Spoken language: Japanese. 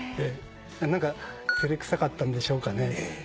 何か照れくさかったんでしょうかね。